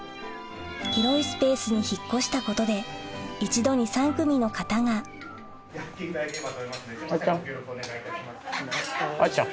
広いスペースに引っ越したことで一度に３組の方があーちゃん。